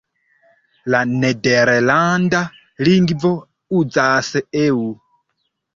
La Nederlanda lingvo uzas "eu".